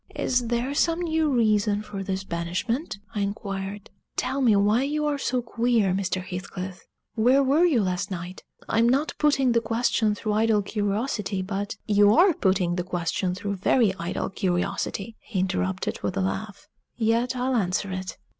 "Is there some new reason for this banishment?" I inquired. "Tell me why you are so queer, Mr. Heathcliff. Where were you last night? I'm not putting the question through idle curiosity, but " "You are putting the question through very idle curiosity," he interrupted, with a laugh. "Yet I'll answer it.